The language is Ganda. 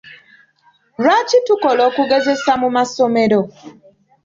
Lwaki tukola okugezesa mu masomero?